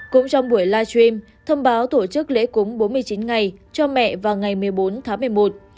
cũng trong buổi live stream thông báo tổ chức lễ cúng bốn mươi chín ngày cho mẹ vào ngày một mươi bốn tháng một mươi một